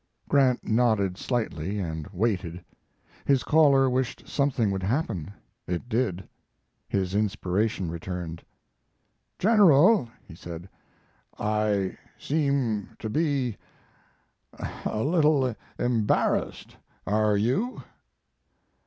Grant nodded slightly and waited. His caller wished something would happen. It did. His inspiration returned. "General," he said, "I seem to be a little embarrassed. Are you?"